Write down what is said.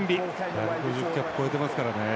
１５０キャップ超えてますからね。